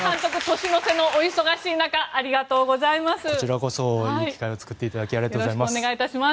年の瀬のお忙しい中ありがとうございます。